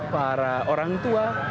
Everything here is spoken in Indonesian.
para orang tua